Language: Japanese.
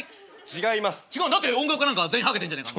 違うだって音楽家なんか全員ハゲてんじゃねえか。